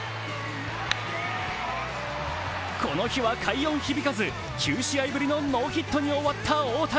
この日は快音響かず、９試合ぶりのノーヒットに終わった大谷。